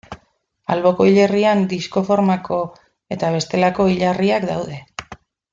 Alboko hilerrian disko-formako eta bestelako hilarriak daude.